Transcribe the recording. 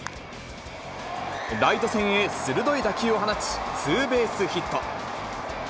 ライト線へ鋭い打球を放ち、ツーベースヒット。